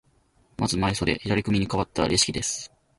まず前襟、左組にかわったレシキです。